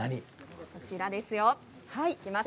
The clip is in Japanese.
こちらです。